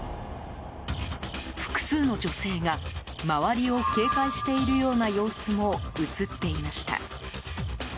複数の女性が周りを警戒しているような様子も映っていました。